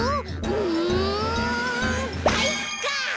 うんかいか！